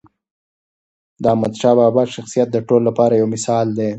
د احمدشاه بابا شخصیت د ټولو لپاره یو مثال دی.